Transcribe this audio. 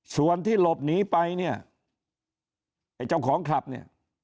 ส่วนที่หลบหนีไปเนี่ยไอ้เจ้าของคลับเนี่ย